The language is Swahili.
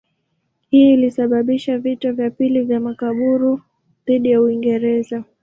Hii ilisababisha vita vya pili vya Makaburu dhidi ya Uingereza.